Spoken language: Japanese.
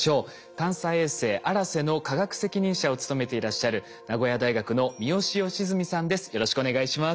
探査衛星「あらせ」の科学責任者を務めていらっしゃる名古屋大学の三好由純さんです。